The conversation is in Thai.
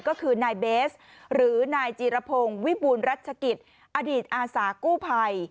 ก็คือนายเบสหรือนายจีรพงศ์วิบูรณรัชกิจอดีตอาสากู้ภัย